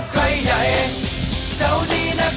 แค่หนึ่ง